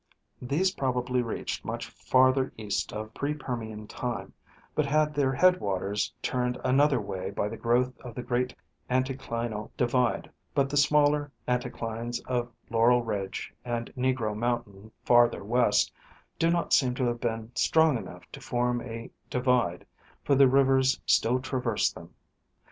These probably reached much farther east in pre Permian time, but had their headwaters turned another way by the growth of the great anticlinal divide ; but the smaller anticlines of Laurel ridge and Negro mountain farther west do not seem to have been strong enough to form a divide, for the rivers still traverse them.